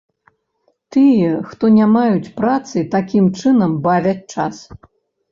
Тыя, хто не маюць працы, такім чынам бавяць час.